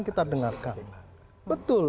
kita dengarkan betul